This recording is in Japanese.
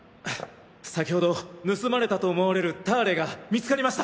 先ほど盗まれたと思われるターレが見つかりました！